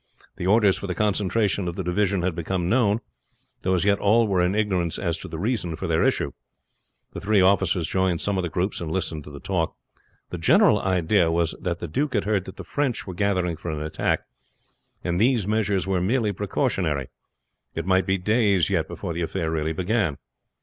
The orders for the concentration of the divisions had become known, though as yet all were in ignorance as to the reason for their issue. The three officers joined some of the groups and listened to the talk. The general idea was that the duke had heard that the French were gathering for an attack, and these measures were merely precautionary. It might be days yet before the affair really began.